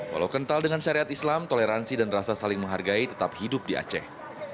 walau kental dengan syariat islam toleransi dan rasa saling menghargai tetap hidup di aceh